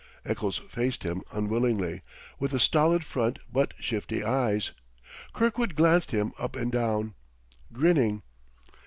Eccles faced him unwillingly, with a stolid front but shifty eyes. Kirkwood glanced him up and down, grinning.